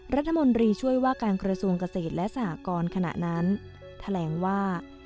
รัฐมนตรีช่วยว่าการกระทรวงเกษตรและสหกรขณะนั้นแถลงว่า